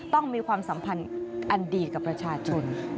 ต้องมีความสัมพันธ์อันดีกับประชาชน